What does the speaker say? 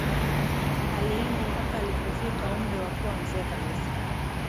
Aliimba mpaka alipofika umri wa kuwa mzee kabisa